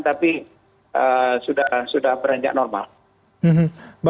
tapi sudah berenjak normal